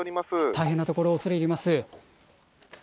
大変なところ恐れ入ります。